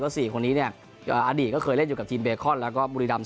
เพราะ๔คนนี้อดีตเคยเล่นอยู่กับทีมเบคอนแล้วก็บุรีดำ